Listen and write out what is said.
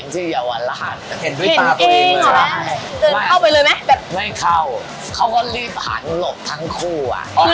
มีอันนั้นใครบังเมียวันที่เห็นไหม